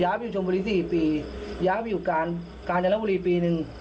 ย้าไปไปอยู่การแชนธ์ฯจะและภูรีปีนึง